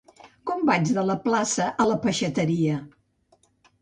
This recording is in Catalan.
Com vaig de la Plaça a la peixateria?